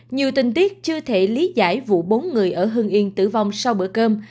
nhiều tình tiết chưa thể lý giải vụ bốn người ở hương yên tử vong sau bữa cơm